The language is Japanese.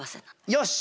よし！